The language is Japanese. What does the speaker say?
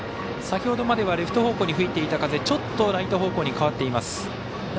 先ほどまではレフト方向に吹いていた風ちょっとライト方向に変わっています。